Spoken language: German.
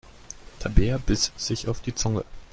Tabea biss sich auf die Zunge.